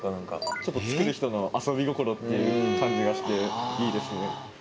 ちょっと作る人の遊び心っていう感じがしていいですね。